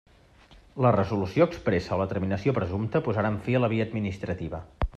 La resolució expressa o la terminació presumpta posaran fi a la via administrativa.